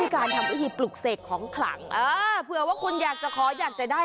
การทำพิธีปลุกเสกของขลังเออเผื่อว่าคุณอยากจะขออยากจะได้